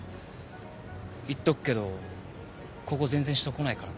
言っとくけどここ全然人来ないから。